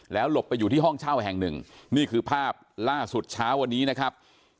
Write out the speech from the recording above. หลบไปอยู่ที่ห้องเช่าแห่งหนึ่งนี่คือภาพล่าสุดเช้าวันนี้นะครับ